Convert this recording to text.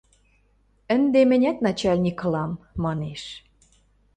– Ӹнде мӹнят начальник ылам, – манеш.